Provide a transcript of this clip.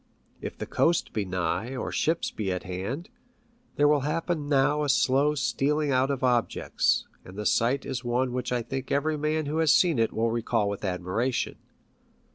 If the coast be nigh, or ships be at hand, there will happen now a slow stealing out of objects, and the sight is one which I think every man who has seen it will recall with admiration.